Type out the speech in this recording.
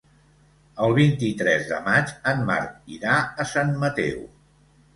El vint-i-tres de maig en Marc irà a Sant Mateu.